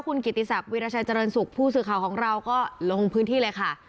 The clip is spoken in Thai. คุณกิติศักดิราชัยเจริญสุขผู้สื่อข่าวของเราก็ลงพื้นที่เลยค่ะ